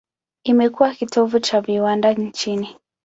Imekuwa kitovu cha viwanda nchini.